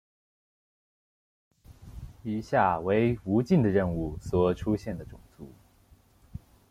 以下为无尽的任务所出现的种族。